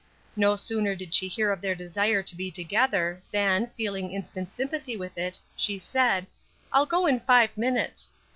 No sooner did she hear of their desire to be together, than, feeling instant sympathy with it, she said, "I'll go in five minutes."